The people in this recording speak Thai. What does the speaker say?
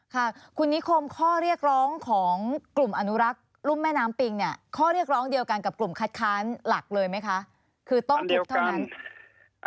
ค่ะคุณนิคมข้อเรียกร้องของกลุ่มอนุรักษ์รุ่มแม่น้ำปิงเนี่ยข้อเรียกร้องเดียวกันกับกลุ่มคัดค้านหลักเลยไหมคะคือต้องคิดเท่านั้น